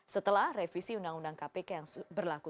setelah revisi undang undang kpk yang berlaku